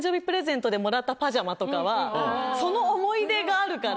その思い出があるから。